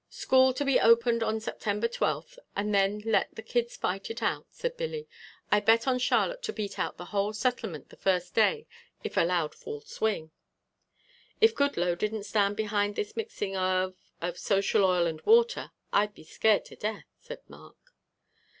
"School to be opened on September twelfth and then let the kids fight it out," said Billy. "I bet on Charlotte to beat out the whole Settlement the first day if allowed full swing." "If Goodloe didn't stand behind this mixing of of social oil and water, I'd be scared to death," said Mark.